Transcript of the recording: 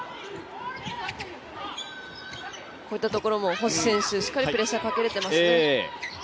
こういったところも星選手、しかりプレッシャーかけられていますね。